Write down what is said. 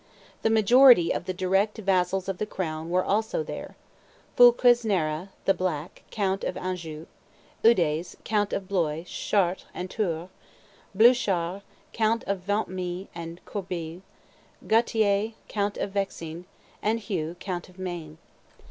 The majority of the direct vassals of the crown were also there Foulques Nerra (the Black), count of Anjou; Eudes, count of Blois, Chartres, and Tours; Bouchard, count of Vent Mine and Corbeil; Gautier, count of Vexin; and Hugh, count of Maine.